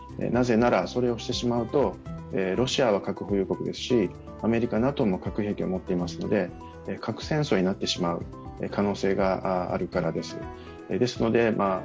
なぜなら、それをしてしまうとロシアは核保有国ですし、アメリカＮＡＴＯも持っていますので核戦争になってしまう可能性があるからです。